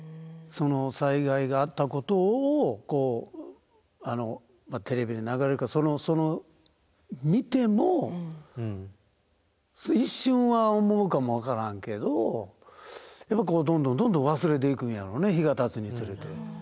その災害があったことをこうテレビで流れるかその見ても一瞬は思うかも分からんけどどんどんどんどん忘れていくんやろうね日がたつにつれて。